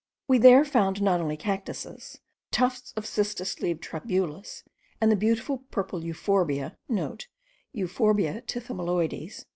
We there found not only cactuses, tufts of cistus leaved tribulus, and the beautiful purple euphorbia,* (* Euphorbia tithymaloides.)